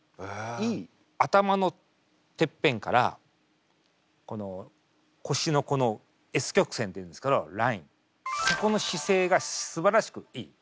頭のてっぺんからこの腰のこのＳ曲線っていうんですけどラインそこの姿勢がすばらしくいい。